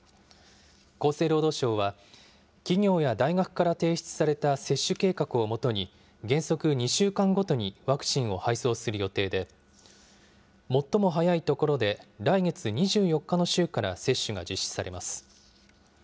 厚生労働省は企業や大学から提出された接種計画をもとに、原則２週間ごとにワクチンを配送する予定で、最も早いところで来月２４日の週から接種が実施されます。